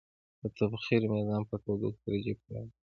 د تبخیر میزان په تودوخې درجې پورې اړه لري.